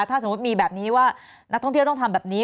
ถ้าสมมุติมีแบบนี้ว่านักท่องเที่ยวต้องทำแบบนี้